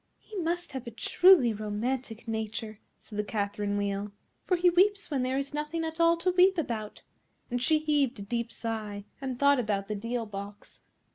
"He must have a truly romantic nature," said the Catherine Wheel, "for he weeps when there is nothing at all to weep about;" and she heaved a deep sigh and thought about the deal box.